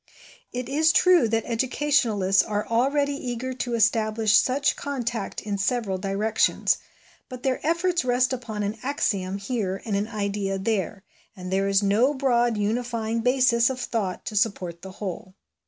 It is true that educationalists are already eager to establish such contact in several directions, but their efforts rest upon an axiom here and an idea there, and there is no broad unifying basis of thought to support the whole.